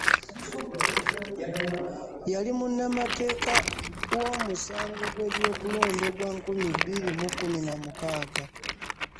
Yali munnamateeka wemu musango gw'ebyokulonda ogwa nkumi bbiri mu kkumi na mukaaga